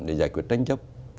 để giải quyết tranh chấp